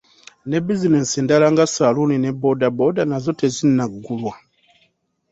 Ne bizinensi endala nga saluuni ne boda boda nazo tezinagulwa.